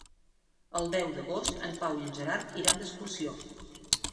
El deu d'agost en Pau i en Gerard iran d'excursió.